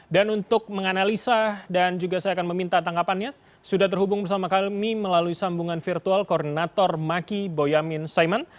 dan untuk menganalisa dan juga saya akan meminta tangkapannya sudah terhubung bersama kami melalui sambungan virtual koordinator maki boyamin saiman